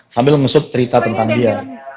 sambil mengusut cerita tentang dia